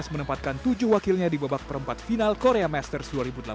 dan menempatkan tujuh wakilnya di babak perempat final korea masters dua ribu delapan belas